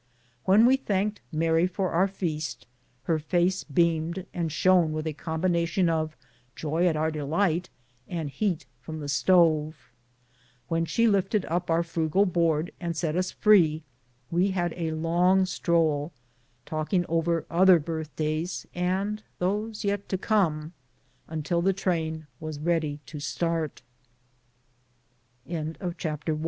When we 16 BOOTS AND SADDLES. thanked Mary for our feast, her face beamed and shone with a combination of joy at our delight and heat from the stove. When she lifted up our frugal board and set us free, we had a long stroll, talking over other birthdays and those yet to come, until the trai